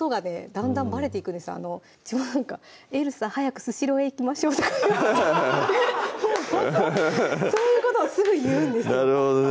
だんだんばれていくんですうちもなんか「エルサ早くスシローへ行きましょう」とかそういうことをすぐ言うんですなるほどね